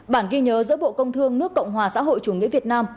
hai mươi hai bản ghi nhớ giữa bộ công thương nước cộng hòa xã hội chủ nghĩa việt nam